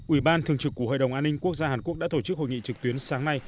ủy ban thường trực của hội đồng an ninh quốc gia hàn quốc đã tổ chức hội nghị trực tuyến sáng nay